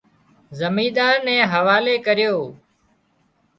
زميندار نين حوالي ڪريو